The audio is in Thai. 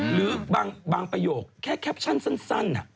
หรือบางประโยคแค่แคปชั่นสั้น